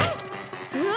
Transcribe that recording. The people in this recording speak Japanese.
うわ！